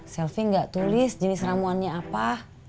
selfie enggak tulis jenis ramuannya apa